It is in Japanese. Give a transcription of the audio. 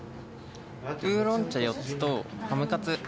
ウーロン茶４つとハムカツ。